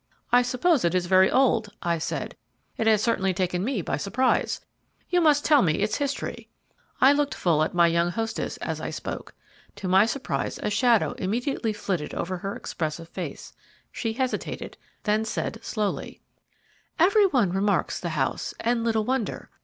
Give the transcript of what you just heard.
"I suppose it is very old," I said; "it has certainly taken me by surprise you must tell me its history." I looked full at my young hostess as I spoke. To my surprise a shadow immediately flitted over her expressive face; she hesitated, then said slowly: "Every one remarks the house, and little wonder.